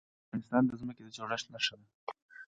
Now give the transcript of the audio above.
ځمکه د افغانستان د ځمکې د جوړښت نښه ده.